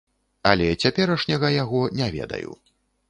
Але цяперашняга яго не ведаю.